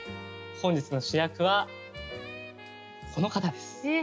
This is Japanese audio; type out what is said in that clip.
本日の主役はこの方です。